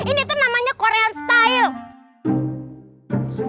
ini tuh namanya korean style